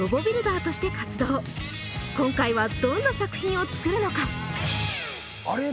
今回はどんな作品を作るのか？